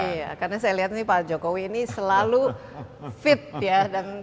iya karena saya lihat ini pak jokowi ini selalu fit ya